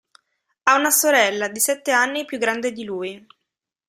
Ha una sorella, di sette anni più grande di lui.